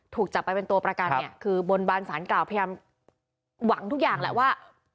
ถูกจับไปเป็นตัวประกันเนี่ยคือบนบานสารกล่าวพยายามหวังทุกอย่างแหละว่า